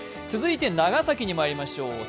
続いて長崎にまいりましょう。